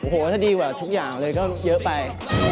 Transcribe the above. โอ้โหถ้าดีกว่าทุกอย่างเลยก็เยอะไป